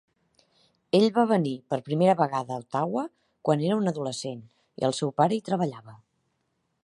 Ell va venir per primera vegada a Ottawa quan era un adolescent i el seu pare hi treballava.